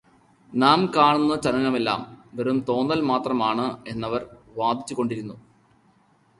നാം കാണുന്ന ചലനമെല്ലാം വെറും തോന്നൽ മാത്രമാണ് എന്നവർ വാദിച്ചുകൊണ്ടിരിന്നു.